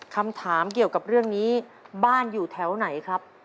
คำถามเกี่ยวกับเรื่องนี้บ้านอยู่แถวไหนครับ